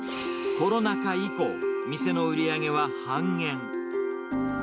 コロナ禍以降、店の売り上げは半減。